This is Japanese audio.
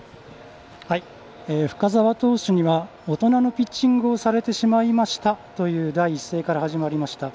深沢投手には大人のピッチングをされてしまいましたという第一声から始まりました。